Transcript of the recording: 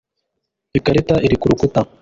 ikarita iri ku rukuta